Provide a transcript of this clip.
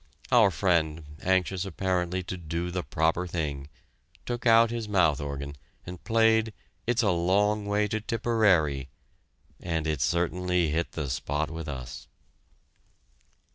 Our friend, anxious apparently to do the proper thing, took out his mouth organ and played "It's a Long Way to Tipperary" and it certainly hit the spot with us.